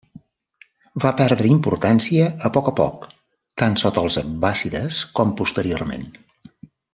Va perdre importància a poc a poc, tant sota els abbàssides com posteriorment.